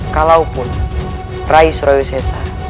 kalaupun rai surawisesa